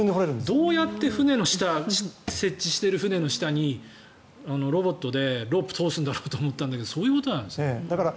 どうやって接地している船の下にロボットでロープを通すんだろうと思ったんですがそういうことなんだね。